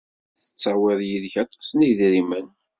La tettawiḍ yid-k aṭas n yidrimen?